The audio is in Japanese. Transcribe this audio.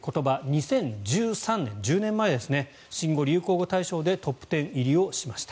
２０１３年、１０年前ですね新語・流行語大賞でトップ１０入りをしました。